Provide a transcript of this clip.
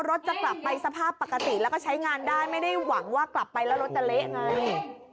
รถจะกลับไปสภาพปกติแล้วก็ใช้งานได้ไม่ได้หวังว่ากลับไปแล้วรถจะเละไง